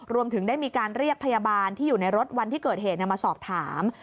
รวมถึงได้มีการเรียกพยาบาลที่อยู่ในรถวันที่เกิดเหตุมาสอบถาม